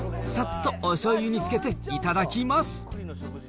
さっとおしょうゆにつけて頂きま